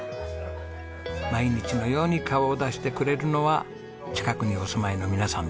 毎日のように顔を出してくれるのは近くにお住まいの皆さんです。